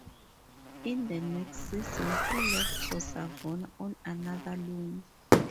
In the next season he left for Savona on another loan.